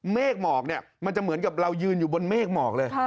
หมอกเนี่ยมันจะเหมือนกับเรายืนอยู่บนเมฆหมอกเลย